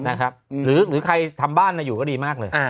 นะครับหือหรือใครทำบ้านน่ะอยู่ก็ดีมากเลยอ่า